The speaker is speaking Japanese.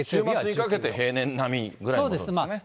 週末にかけて平年並みぐらいに戻るんですね。